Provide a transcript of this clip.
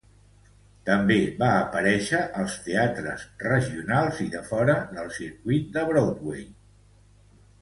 També va aparèixer als teatres regionals i de fora del circuit de Broadway.